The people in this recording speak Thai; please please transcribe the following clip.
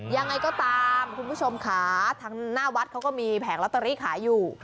ยังไงก็ตามคุณผู้ชมค่ะทางหน้าวัดเขาก็มีแผงลอตเตอรี่ขายอยู่